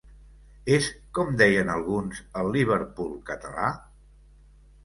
És, com deien alguns, el ‘Liverpool Català’?